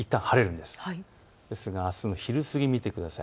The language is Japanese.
ですがあすの昼過ぎ見てください。